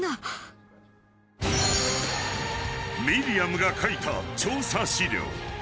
［ミリアムが書いた調査資料］